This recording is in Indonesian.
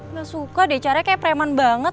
nggak suka deh caranya kayak preman banget